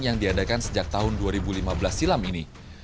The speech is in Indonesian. yang diadakan sejak tahun dua ribu lima belas silam ini